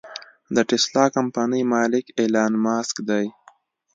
د ټسلا کمپنۍ مالک ايلام مسک دې.